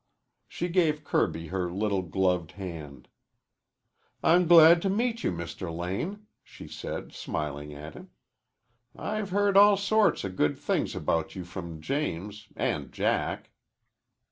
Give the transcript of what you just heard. She gave Kirby her little gloved hand. "I'm glad to meet you, Mr. Lane," she said, smiling at him. "I've heard all sorts of good things about you from James and Jack."